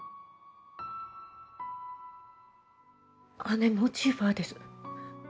姉のジーファーです。